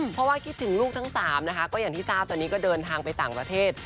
เพราะว่าคิดถึงลูกทั้ง๓นะคะก็อย่างที่ทราบตอนนี้ก็เดินทางไปต่างประเทศ